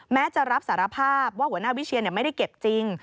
แม้จะรับสารภาพว่าหัวหน้าวิเชียนไม่ได้เก็บจริง